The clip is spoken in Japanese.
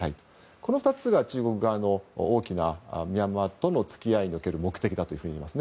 この２つが中国側の、大きなミャンマーとの付き合いにおける目的だといえます。